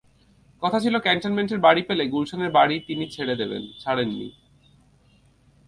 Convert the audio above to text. কথা ছিল ক্যান্টনমেন্টের বাড়ি পেলে গুলশানের বাড়ি তিনি ছেড়ে দেবেন, ছাড়েননি।